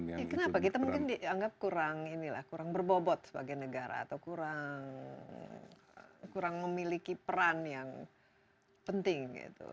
kan mungkin dianggap kurang berbobot sebagai negara atau kurang memiliki peran yang penting gitu